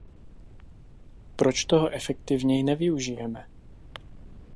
Proč toho efektivněji nevyužijeme?